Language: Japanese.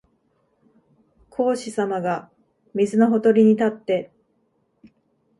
孔子さまが水のほとりに立って、